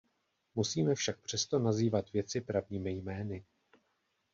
Musíme však přesto nazývat věci pravými jmény.